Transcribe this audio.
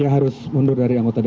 ya harus mundur dari anggota dpr ri